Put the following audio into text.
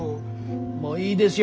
もういいですよ。